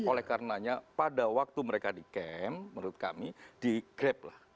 oleh karenanya pada waktu mereka di camp menurut kami di grab lah